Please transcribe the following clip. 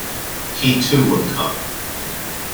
He too looked up.